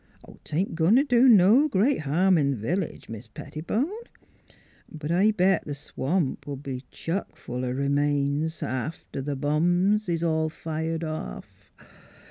'Tain't goin' t' do no great harm in th' village, Mis' Pettibone. But I'll bet th' swamp '11 be chuck full o' r'mains after th' bombs is all fired off.